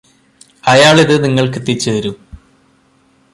അയാളിത് നിങ്ങൾക്ക് എത്തിച്ച് തരും